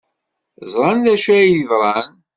Ẓran d acu ay yeḍran.